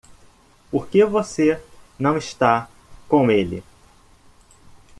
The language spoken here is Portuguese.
Por que você não está com ele?